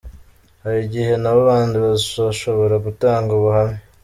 Hari igihe n’abo bandi bazashobora gutanga ubuhamya.